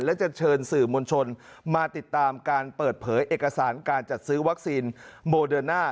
และจะเชิญสื่อมวลชนมาติดตามการเปิดเผยเอกสารการจัดซื้อวัคซีนโมเดิร์น่า